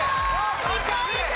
２ポイント